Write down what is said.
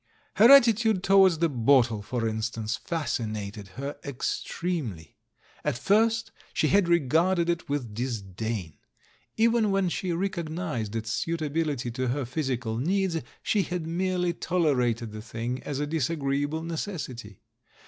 Her attitude towards the bottle, for instance, THE THIRD M 33T fascinated her extremely. At first she had re garded it with disdain. Even when she recog nised its suitability to her physical needs, she had merely tolerated the thing as a disagreeable ne cessity.